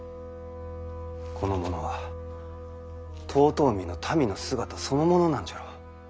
この者は遠江の民の姿そのものなんじゃろ。